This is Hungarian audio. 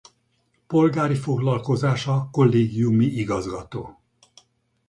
Polgári foglalkozása kollégiumi igazgató.